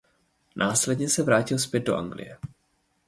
Následně se vrátil zpět do Anglie.